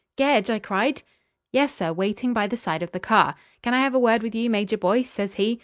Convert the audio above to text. "Gedge?" I cried. "Yes, sir. Waiting by the side of the car. 'Can I have a word with you, Major Boyce?' says he.